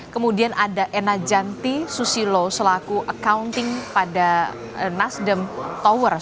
kemudian ada ena janti susilo selaku accounting pada nasdem towers